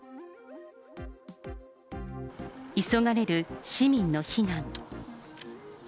急がれる市民の避難。